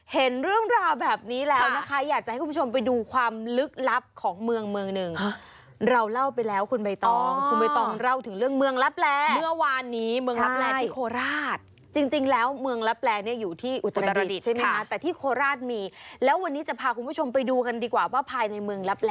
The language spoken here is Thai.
เห็นเรื่องราวแบบนี้แล้วนะคะอยากจะให้คุณผู้ชมไปดูความลึกลับของเมืองเมืองนึง